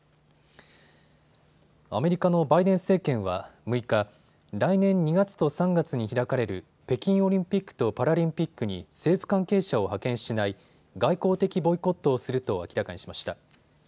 アメリカのバイデン政権は６日、来年２月と３月に開かれる北京オリンピックとパラリンピックに政府関係者を派遣しない外交的ボイコットをすると明らかにしました。